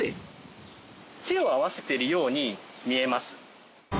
手を合わせているように見えます。